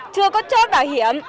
chưa có chốt bảo hiểm